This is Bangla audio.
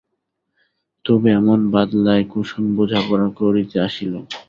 তবু এমন বাদলায় কুসুম বোঝাপড়া করিতে আসিল?